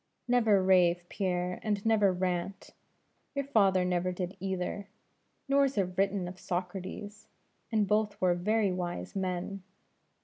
"Never rave, Pierre; and never rant. Your father never did either; nor is it written of Socrates; and both were very wise men.